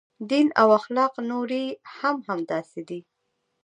دین او اخلاق نورې هم همداسې دي.